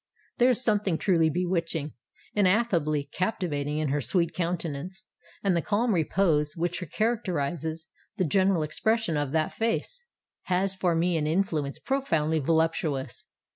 There is something truly bewitching—ineffably captivating in her sweet countenance; and the calm repose which characterises the general expression of that face, has for me an influence profoundly voluptuous.